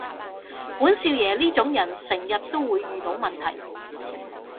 本少爺呢種人成日都會遇到問題